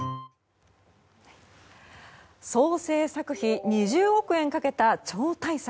総製作費２０億円かけた超大作。